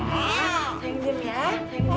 sayang diam ya